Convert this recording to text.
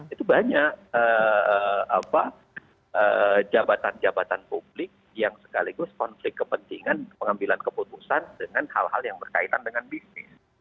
itu banyak jabatan jabatan publik yang sekaligus konflik kepentingan pengambilan keputusan dengan hal hal yang berkaitan dengan bisnis